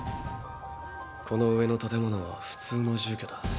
この上の建物は普通の住居だ。